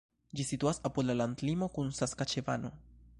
Ĝi situas apud la landlimo kun Saskaĉevano.